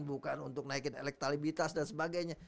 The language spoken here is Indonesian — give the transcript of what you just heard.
bukan untuk naikin elektalibitas dan sebagainya